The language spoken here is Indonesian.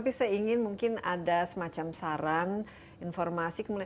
tapi saya ingin mungkin ada semacam saran informasi